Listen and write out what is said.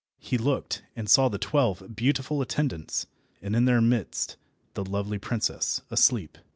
He looked, and saw the twelve beautiful attendants, and in their midst the lovely princess, asleep.